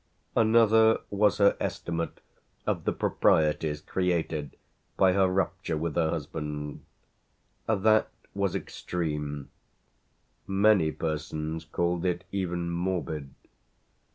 Another was her estimate of the proprieties created by her rupture with her husband. That was extreme many persons called it even morbid.